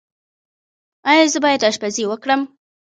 ایا زه باید اشپزي وکړم؟